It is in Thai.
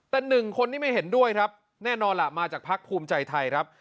แต่หนึ่งคนที่ไม่เห็นด้วยครับแน่นอนล่ะมาจากพักภูมิใจไทยครับ